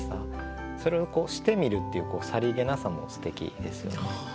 それを「してみる」っていうさりげなさもすてきですよね。